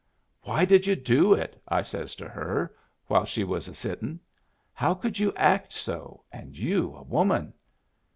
"'Why did you do it?' I says to her, while she was a sitting. 'How could you act so, and you a woman?'